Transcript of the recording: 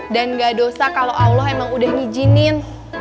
dan gak dosa kalau allah emang udah ngijinin